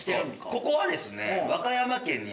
ここはですね。